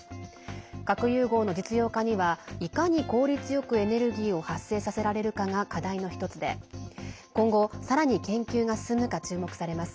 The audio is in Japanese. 核融合の実用化にはいかに効率よくエネルギーを発生させられるかが課題の１つで今後、さらに研究が進むか注目されます。